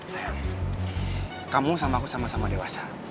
saya kamu sama aku sama sama dewasa